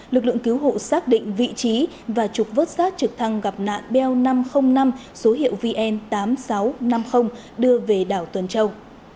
lực lượng cứu hộ xác định vị trí và trục vớt sát trực thăng gặp nạn bel năm trăm linh năm số hiệu vn tám nghìn sáu trăm năm mươi đưa về đảo tuần châu